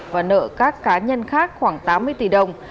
và nợ các cá nhân khác khoảng tám mươi tỷ đồng